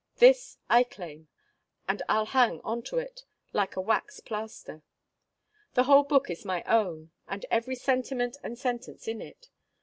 this I claim, and I'll hang on to it, like a wax plaster. The whole book is my own, and every sentiment and sentence in it.